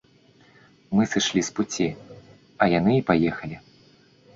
Мы сышлі з пуці, а яны і паехалі.